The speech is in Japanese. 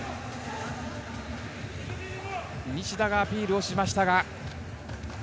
西田がアピールをしましたが。